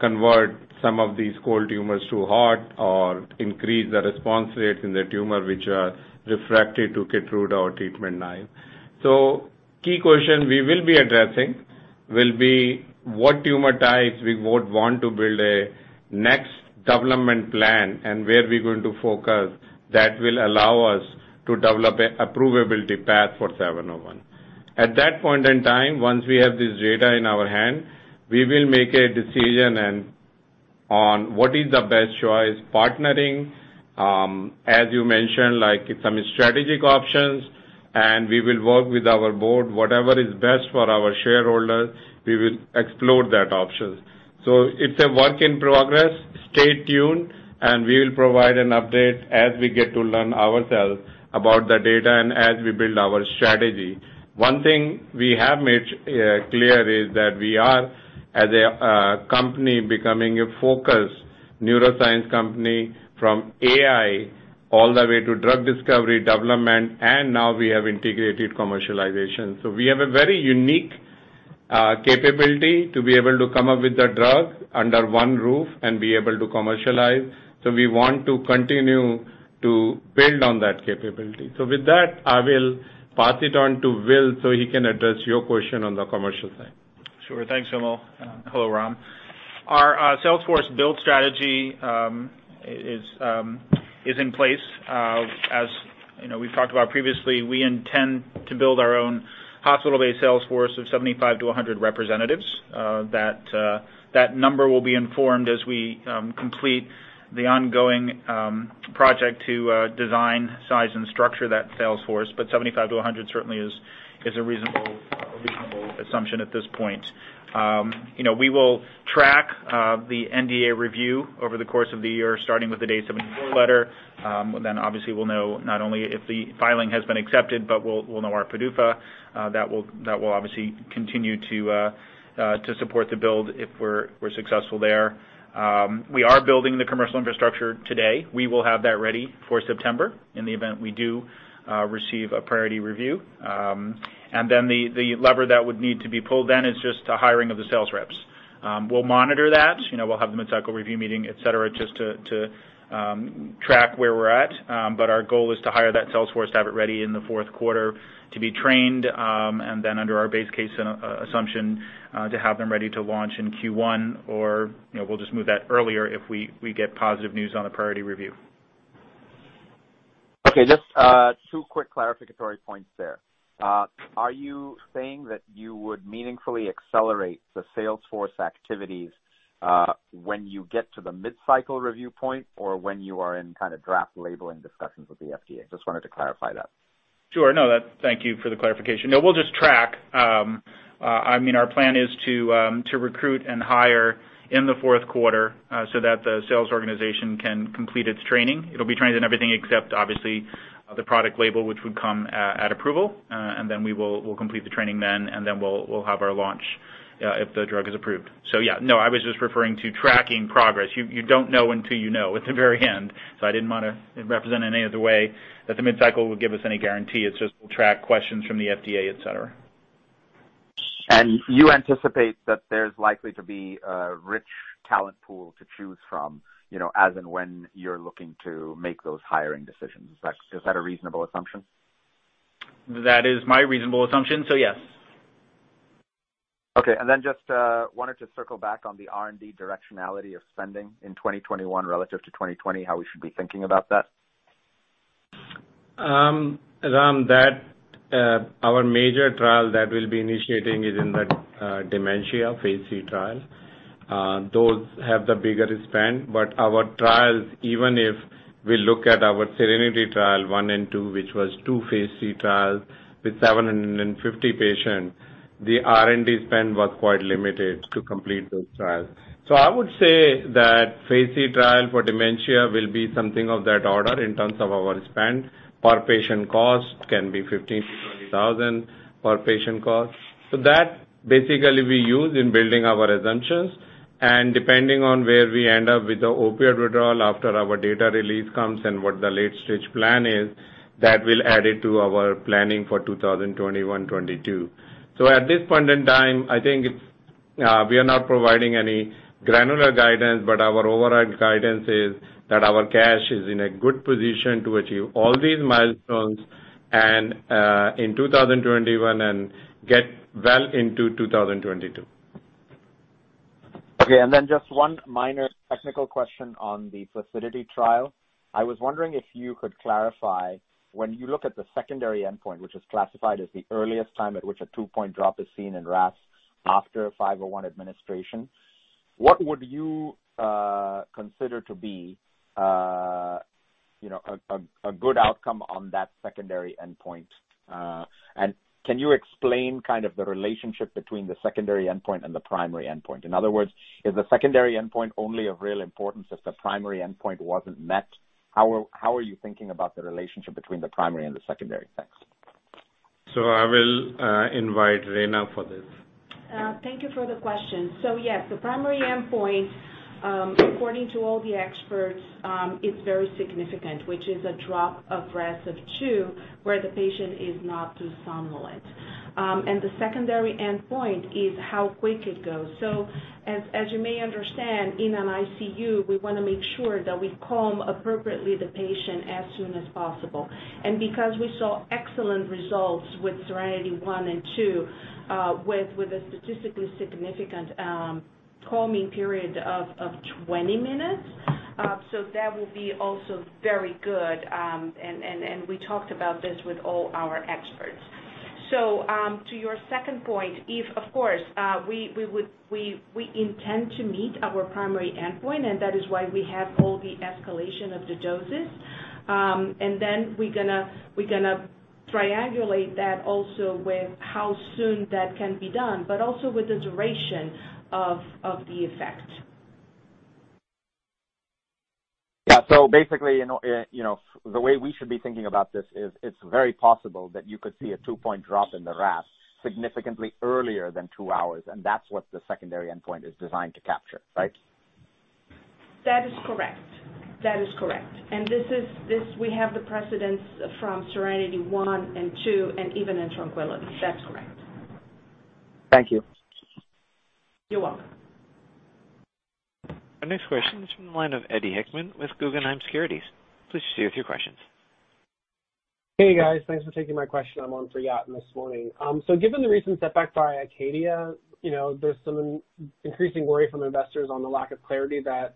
convert some of these cold tumors to hot or increase the response rate in the tumor, which are refractory to KEYTRUDA or treatment-naive. Key question we will be addressing will be what tumor types we would want to build a next development plan and where we're going to focus that will allow us to develop a approvability path for 701. At that point in time, once we have this data in our hand, we will make a decision on what is the best choice, partnering, as you mentioned, like some strategic options, and we will work with our board. Whatever is best for our shareholders, we will explore that option. It's a work in progress. Stay tuned, we will provide an update as we get to learn ourselves about the data and as we build our strategy. One thing we have made clear is that we are, as a company, becoming a focused neuroscience company from AI all the way to drug discovery development. Now we have integrated commercialization. We have a very unique capability to be able to come up with a drug under one roof and be able to commercialize. We want to continue to build on that capability. With that, I will pass it on to Will so he can address your question on the commercial side. Sure. Thanks, Vimal. Hello, Ram. Our sales force build strategy is in place. As we've talked about previously, we intend to build our own hospital-based sales force of 75-100 representatives. That number will be informed as we complete the ongoing project to design, size, and structure that sales force. 75-100 certainly is a reasonable assumption at this point. We will track the NDA review over the course of the year, starting with the Day 74 letter. Obviously, we'll know not only if the filing has been accepted, but we'll know our PDUFA. That will obviously continue to support the build if we're successful there. We are building the commercial infrastructure today. We will have that ready for September in the event we do receive a priority review. The lever that would need to be pulled then is just the hiring of the sales reps. We'll monitor that. We'll have the mid-cycle review meeting, et cetera, just to track where we're at. Our goal is to hire that sales force to have it ready in the fourth quarter to be trained, and then under our base case assumption, to have them ready to launch in Q1 or we'll just move that earlier if we get positive news on the priority review. Okay, just two quick clarificatory points there. Are you saying that you would meaningfully accelerate the sales force activities when you get to the mid-cycle review point or when you are in kind of draft labeling discussions with the FDA? Just wanted to clarify that. Sure. No, thank you for the clarification. No, we'll just track. Our plan is to recruit and hire in the fourth quarter so that the sales organization can complete its training. It'll be trained in everything except obviously the product label, which would come at approval. Then we'll complete the training then, and then we'll have our launch if the drug is approved. Yeah, no, I was just referring to tracking progress. You don't know until you know at the very end. I didn't want to represent in any other way that the mid-cycle would give us any guarantee. It's just we'll track questions from the FDA, et cetera. You anticipate that there's likely to be a rich talent pool to choose from, as in when you're looking to make those hiring decisions. Is that a reasonable assumption? That is my reasonable assumption, so yes. Okay, just wanted to circle back on the R&D directionality of spending in 2021 relative to 2020, how we should be thinking about that. Ram, our major trial that we'll be initiating is in that dementia phase III trial. Those have the bigger spend, but our trials, even if we look at our SERENITY I and II, which was two phase III trials with 750 patients, the R&D spend was quite limited to complete those trials. I would say that phase III trial for dementia will be something of that order in terms of our spend. Per patient cost can be $15,000-$20,000 per patient cost. That basically we use in building our assumptions, and depending on where we end up with the opioid withdrawal after our data release comes and what the late-stage plan is, that will add it to our planning for 2021-2022. At this point in time, we are not providing any granular guidance, but our overall guidance is that our cash is in a good position to achieve all these milestones in 2021 and get well into 2022. Okay, just one minor technical question on the PLACIDITY trial. I was wondering if you could clarify, when you look at the secondary endpoint, which is classified as the earliest time at which a two-point drop is seen in RASS after 501 administration, what would you consider to be a good outcome on that secondary endpoint? Can you explain the relationship between the secondary endpoint and the primary endpoint? In other words, is the secondary endpoint only of real importance if the primary endpoint wasn't met? How are you thinking about the relationship between the primary and the secondary effects? I will invite Reina for this. Thank you for the question. Yes, the primary endpoint, according to all the experts, is very significant, which is a drop of RASS of two where the patient is not too somnolent. The secondary endpoint is how quick it goes. As you may understand, in an ICU, we want to make sure that we calm appropriately the patient as soon as possible. Because we saw excellent results with SERENITY I and SERENITY II with a statistically significant calming period of 20 minutes. That will be also very good, and we talked about this with all our experts. To your second point, of course, we intend to meet our primary endpoint, and that is why we have all the escalation of the doses. We're going to triangulate that also with how soon that can be done, but also with the duration of the effect. Yeah. Basically, the way we should be thinking about this is it's very possible that you could see a two-point drop in the RASS significantly earlier than two hours, and that's what the secondary endpoint is designed to capture, right? That is correct. We have the precedence from SERENITY I and SERENITY II and even in TRANQUILITY. That's correct. Thank you. You're welcome. Our next question is from the line of Eddie Hickman with Guggenheim Securities. Please proceed with your questions. Hey, guys. Thanks for taking my question. I'm on for Yat this morning. Given the recent setback by Acadia, there's some increasing worry from investors on the lack of clarity that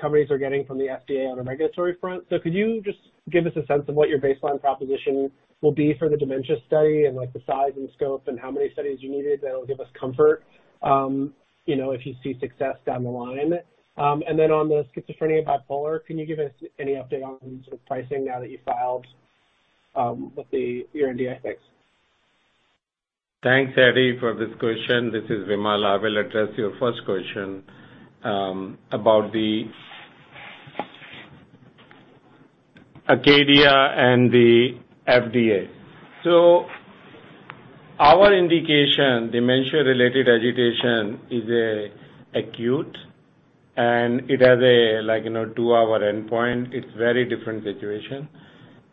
companies are getting from the FDA on a regulatory front. Could you just give us a sense of what your baseline proposition will be for the dementia study and the size and scope and how many studies you needed that'll give us comfort if you see success down the line? On the schizophrenia bipolar, can you give us any update on sort of pricing now that you filed with the IND, I think? Thanks, Eddie, for this question. This is Vimal. I will address your first question about Acadia and the FDA. Our indication, dementia-related agitation, is acute, and it has a two hour endpoint. It's very different situation.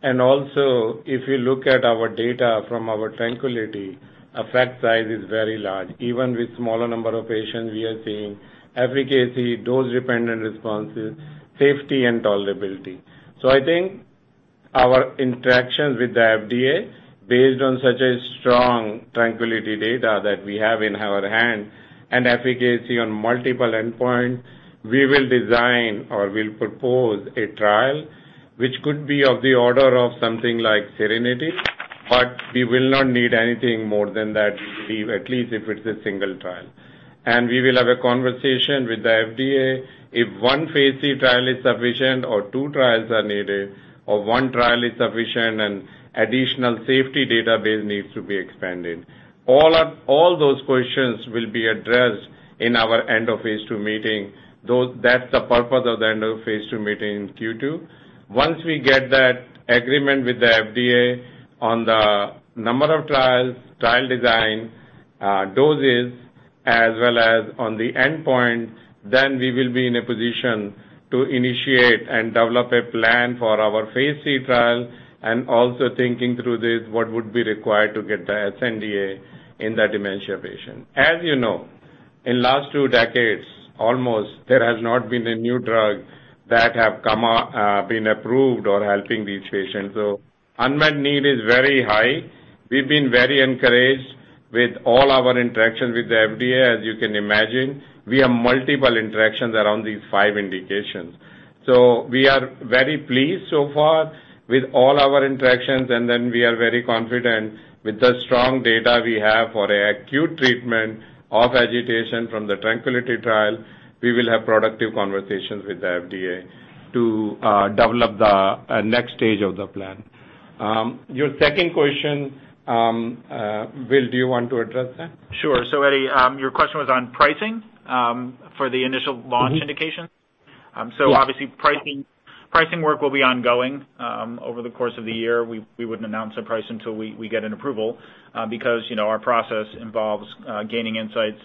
Also, if you look at our data from our TRANQUILITY, effect size is very large. Even with smaller number of patients, we are seeing efficacy, dose-dependent responses, safety, and tolerability. I think our interactions with the FDA, based on such a strong TRANQUILITY data that we have in our hand and efficacy on multiple endpoints, we will design or will propose a trial, which could be of the order of something like SERENITY, but we will not need anything more than that fee, at least if it's a single trial. We will have a conversation with the FDA if one phase III trial is sufficient or 2 trials are needed, or one trial is sufficient and additional safety database needs to be expanded. All those questions will be addressed in our end-of-phase II meeting. That's the purpose of the end of phase II meeting in Q2. Once we get that agreement with the FDA on the number of trials, trial design, doses, as well as on the endpoint, we will be in a position to initiate and develop a plan for our phase III trial and also thinking through this, what would be required to get the sNDA in the dementia patient. As you know, in last two decades, almost, there has not been a new drug that have been approved or helping these patients. Unmet need is very high. We've been very encouraged with all our interactions with the FDA. As you can imagine, we have multiple interactions around these five indications. We are very pleased so far with all our interactions, and then we are very confident with the strong data we have for acute treatment of agitation from the TRANQUILITY trial. We will have productive conversations with the FDA to develop the next stage of the plan. Your second question, Will, do you want to address that? Sure. Eddie, your question was on pricing for the initial launch indication? Mm-hmm. Yes. Obviously pricing work will be ongoing over the course of the year. We wouldn't announce a price until we get an approval because our process involves gaining insights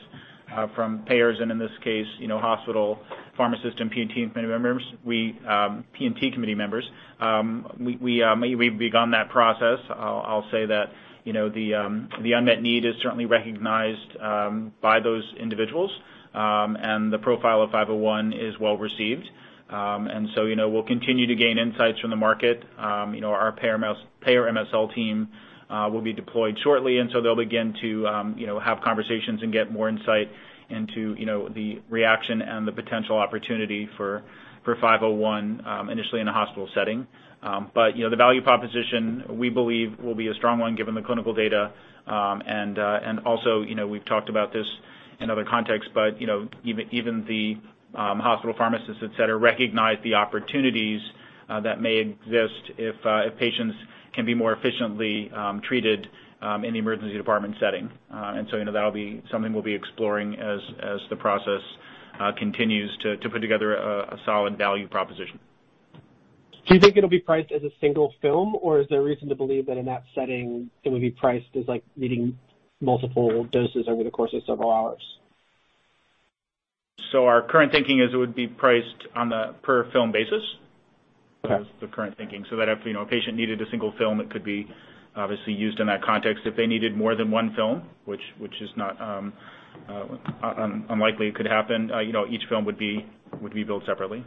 from payers and in this case, hospital pharmacists and P&T committee members. We've begun that process. I'll say that the unmet need is certainly recognized by those individuals. The profile of BXCL501 is well-received. We'll continue to gain insights from the market. Our payer MSL team will be deployed shortly, they'll begin to have conversations and get more insight into the reaction and the potential opportunity for BXCL501 initially in a hospital setting. The value proposition, we believe, will be a strong one given the clinical data. Also, we've talked about this in other contexts, but even the hospital pharmacists, et cetera, recognize the opportunities that may exist if patients can be more efficiently treated in the emergency department setting. That'll be something we'll be exploring as the process continues to put together a solid value proposition. Do you think it'll be priced as a single film, or is there a reason to believe that in that setting it would be priced as needing multiple doses over the course of several hours? Our current thinking is it would be priced on the per film basis. Okay. That is the current thinking. If a patient needed a single film, it could be obviously used in that context. If they needed more than one film, which is not unlikely, it could happen. Each film would be billed separately.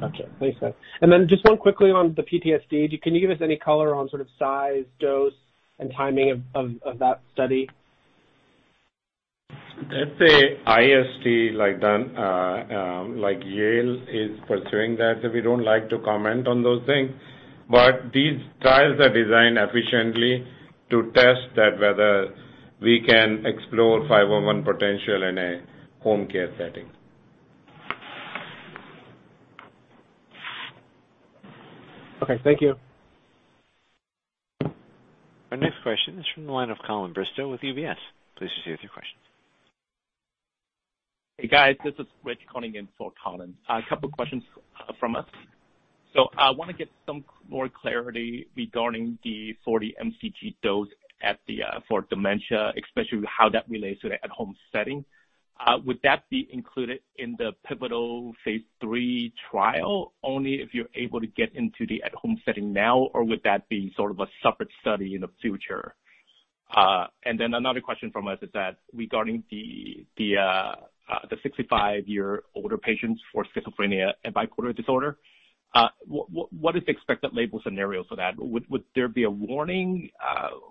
Got you. Thanks, guys. Just one quickly on the PTSD, can you give us any color on sort of size, dose, and timing of that study? That's an IIT like Yale is pursuing that. We don't like to comment on those things. These trials are designed efficiently to test that whether we can explore 501 potential in a home care setting. Okay, thank you. Our next question is from the line of Colin Bristow with UBS. Please proceed with your questions. Hey, guys. This is Rich calling in for Colin. A couple questions from us. I want to get some more clarity regarding the 40 mcg dose for dementia, especially how that relates to the at-home setting. Would that be included in the pivotal phase III trial only if you're able to get into the at-home setting now, or would that be sort of a separate study in the future? Another question from us regarding the 65-year older patients for schizophrenia and bipolar disorder. What is the expected label scenario for that? Would there be a warning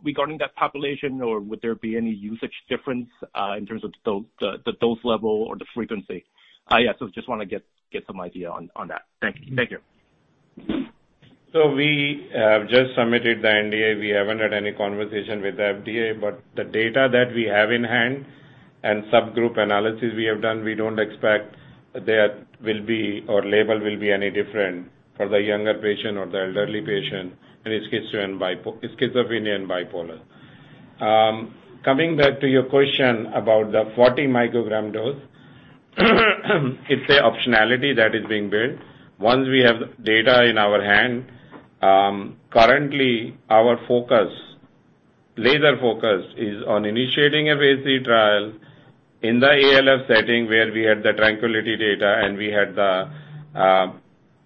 regarding that population, or would there be any usage difference in terms of the dose level or the frequency? Just want to get some idea on that. Thank you. We have just submitted the NDA. We haven't had any conversation with the FDA, but the data that we have in hand and subgroup analysis we have done, we don't expect that our label will be any different for the younger patient or the elderly patient in schizophrenia and bipolar. Coming back to your question about the 40 µg dose, it's an optionality that is being built. Once we have data in our hand. Currently, our laser focus is on initiating a phase III trial in the ALF setting where we had the TRANQUILITY data, and we had the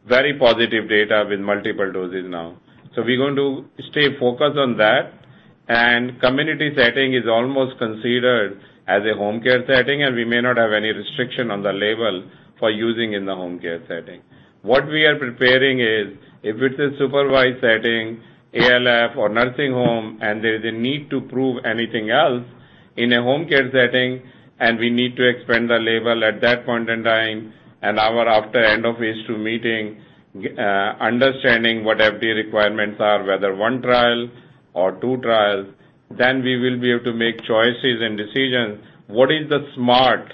very positive data with multiple doses now. We're going to stay focused on that, and community setting is almost considered as a home care setting, and we may not have any restriction on the label for using in the home care setting. What we are preparing is if it's a supervised setting, ALF or nursing home, and there is a need to prove anything else in a home care setting, and we need to expand the label at that point in time, an hour after end of phase II meeting, understanding what FDA requirements are, whether one trial or two trials, then we will be able to make choices and decisions. What is the smart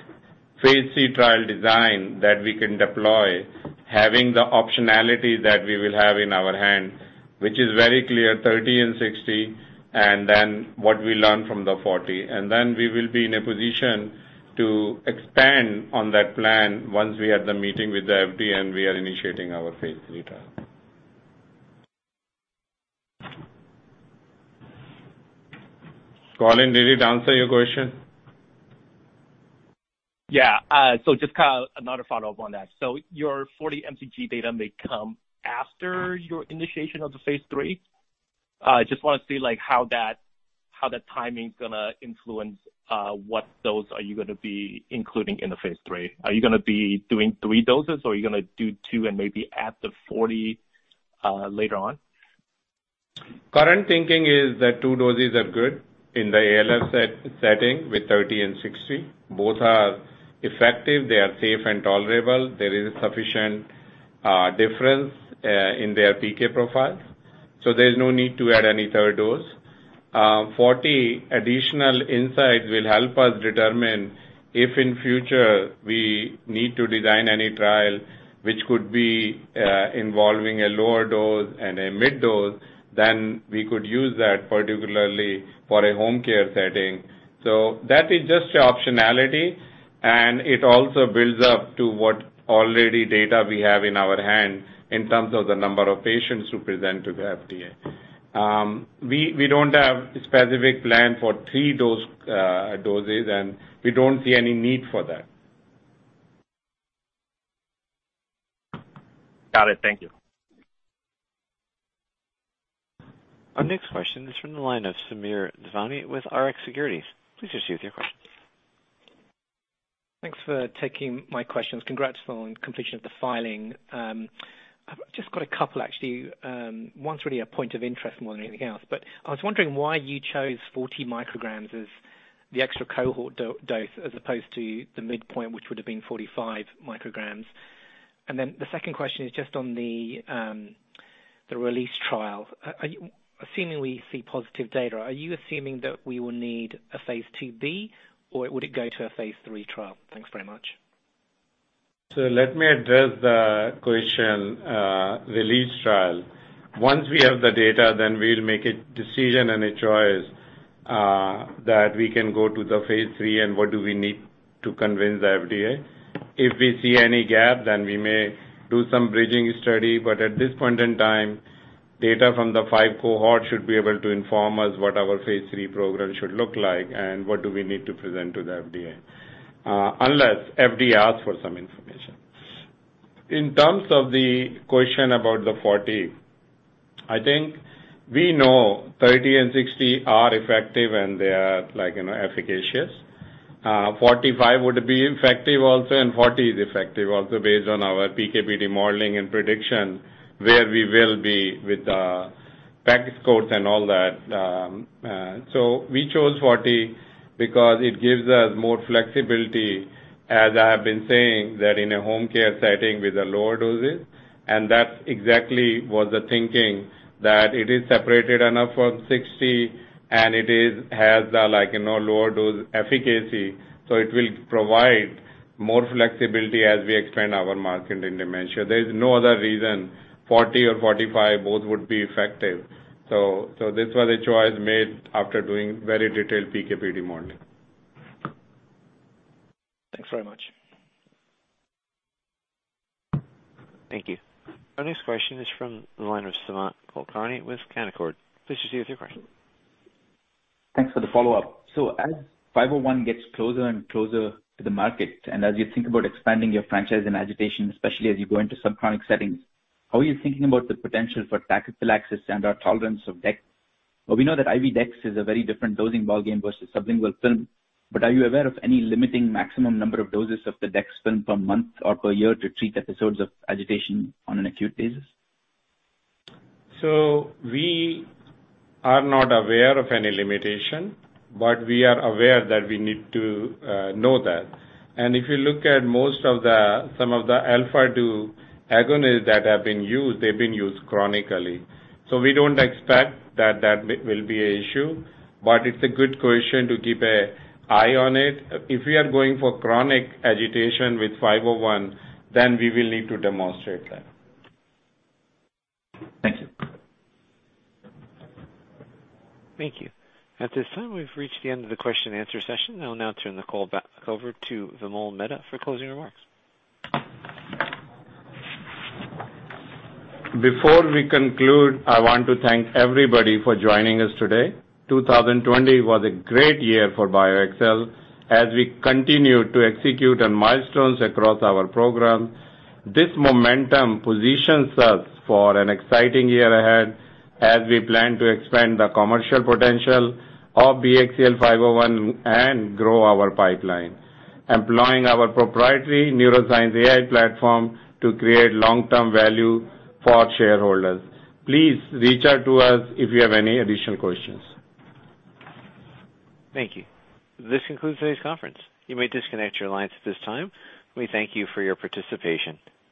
phase III trial design that we can deploy, having the optionality that we will have in our hand, which is very clear, 30 and 60, what we learn from the 40. We will be in a position to expand on that plan once we have the meeting with the FDA and we are initiating our phase III trial. Colin, did it answer your question? Yeah. Just another follow-up on that. Your 40 mcg data may come after your initiation of the phase III. I just want to see how that timing's going to influence what dose are you going to be including in the phase III. Are you going to be doing three doses, or are you going to do two and maybe add the 40 later on? Current thinking is that two doses are good in the ALF setting with 30 and 60. Both are effective. They are safe and tolerable. There is sufficient difference in their PK profile. There's no need to add any third dose. 40 additional insight will help us determine if in future we need to design any trial which could be involving a lower dose and a mid dose, then we could use that particularly for a home care setting. That is just the optionality, and it also builds up to what already data we have in our hand in terms of the number of patients who present to the FDA. We don't have a specific plan for three doses, and we don't see any need for that. Got it. Thank you. Our next question is from the line of Samir Devani with Rx Securities. Please proceed with your questions. Thanks for taking my questions. Congrats on completion of the filing. I've just got a couple, actually. One's really a point of interest more than anything else. I was wondering why you chose 40 µg as the extra cohort dose as opposed to the midpoint, which would have been 45 µg. The second question is just on the RELEASE trial. Assuming we see positive data, are you assuming that we will need a phase II-B, or would it go to a phase III trial? Thanks very much. Let me address the question, RELEASE trial. Once we have the data, then we'll make a decision and a choice that we can go to the phase III and what do we need to convince the FDA. If we see any gap, then we may do some bridging study. At this point in time, data from the five cohorts should be able to inform us what our phase III program should look like and what do we need to present to the FDA. Unless FDA asks for some information. In terms of the question about the 40, I think we know 30 and 60 are effective and they are efficacious. 45 would be effective also, and 40 is effective also based on our PK/PD modeling and prediction, where we will be with the package codes and all that. We chose 40 because it gives us more flexibility, as I have been saying, that in a home care setting with the lower doses, and that's exactly was the thinking, that it is separated enough from 60, and it has the lower dose efficacy. It will provide more flexibility as we expand our market in dementia. There's no other reason. 40 or 45, both would be effective. This was a choice made after doing very detailed PK/PD modeling. Thanks very much. Thank you. Our next question is from the line of Sumant Kulkarni with Canaccord. Please proceed with your question. Thanks for the follow-up. As 501 gets closer and closer to the market, and as you think about expanding your franchise and agitation, especially as you go into subchronic settings, how are you thinking about the potential for tachyphylaxis and/or tolerance of dexmedetomidine? We know that IV dexmedetomidine is a very different dosing ballgame versus sublingual film. Are you aware of any limiting maximum number of doses of the dexmedetomidine film per month or per year to treat episodes of agitation on an acute basis? We are not aware of any limitation, but we are aware that we need to know that. If you look at some of the alpha-2 agonists that have been used, they've been used chronically. We don't expect that that will be an issue, but it's a good question to keep an eye on it. If we are going for chronic agitation with 501, we will need to demonstrate that. Thank you. Thank you. At this time, we've reached the end of the question and answer session. I'll now turn the call back over to Vimal Mehta for closing remarks. Before we conclude, I want to thank everybody for joining us today. 2020 was a great year for BioXcel as we continue to execute on milestones across our program. This momentum positions us for an exciting year ahead as we plan to expand the commercial potential of BXCL501 and grow our pipeline, employing our proprietary neuroscience AI platform to create long-term value for shareholders. Please reach out to us if you have any additional questions. Thank you. This concludes today's conference. You may disconnect your lines at this time. We thank you for your participation.